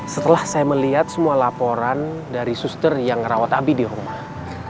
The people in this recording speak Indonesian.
setelah saya melihat semua laporan dari suster yang merawat abi di rumah